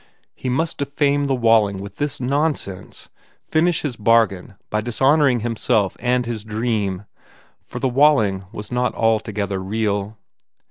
He must defame the Walling with this nonsense, finish his bargain by dishonouring himself and his dream, for the Walling was not altogether real.